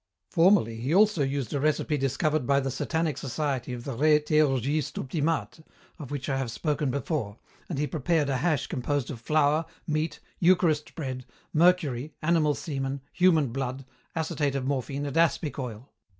"Formerly he also used a recipe discovered by the Satanic society of the Re Theurgistes Optimates, of which I have spoken before, and he prepared a hash composed of flour, meat, Eucharist bread, mercury, animal semen, human blood, acetate of morphine and aspic oil.